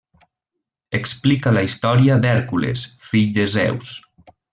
Explica la història d'Hèrcules, fill de Zeus.